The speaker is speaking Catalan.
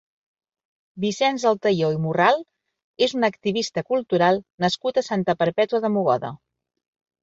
Vicenç Altaió i Morral és un activista cultural nascut a Santa Perpètua de Mogoda.